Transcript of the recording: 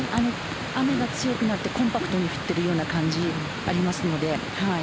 雨が強くなってコンパクトに振っているような感じありますので。